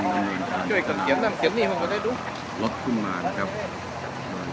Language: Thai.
สวัสดีครับทุกคน